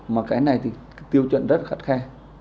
mà cái này thì tiêu chuẩn rất khắt khe